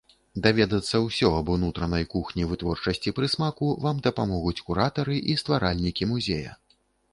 Даведацца ўсё аб унутранай кухні вытворчасці прысмаку вам дапамогуць куратары і стваральнікі музея.